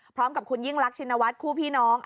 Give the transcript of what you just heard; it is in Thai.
พร้อมกับคุณยิ่งรักชินวัฒน์คู่พี่น้อง